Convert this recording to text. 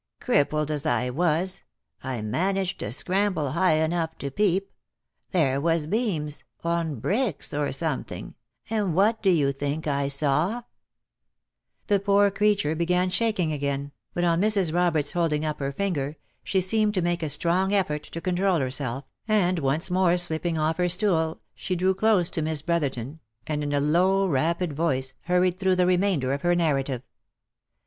Crippled as I was, I managed to scramble high enough to peep — there was beams, on bricks or something, and what do you think I saw V The poor creature began shaking again, but on Mrs. Roberts hold ing up her finger, she seemed to make a strong effort to control her self, and once more slipping off her stool she drew close to Miss Bro therton, and in a low rapid voice, hurried through the remainder of her narrative.